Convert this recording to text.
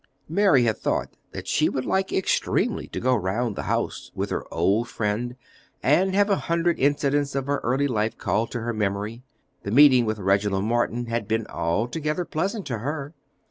Mary had thought that she would like extremely to go round the house with her old friend and have a hundred incidents of her early life called to her memory. The meeting with Reginald Morton had been altogether pleasant to her.